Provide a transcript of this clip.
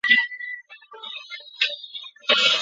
马步青所属部队的番号也改为陆军骑兵第五师。